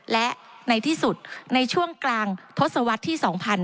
และในที่สุดในช่วงกลางทศวรรษที่๒๕๕๙